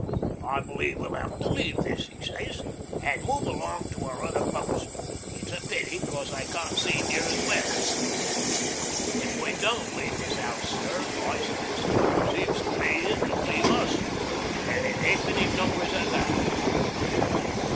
"I believe we'll 'ave to leave this," he sez, "an' move along to our other post. It's a pity, 'cos I can't see near as well." '"If we don't leave this 'ouse, sir," I sez, "seems to me it'll leave us an' in ha'penny numbers at that."